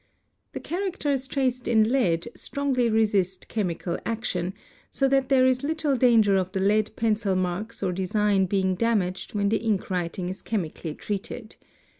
The characters traced in lead strongly resist chemical action, so that there is little danger of the lead pencil marks or design being damaged when the ink writing is chemically treated.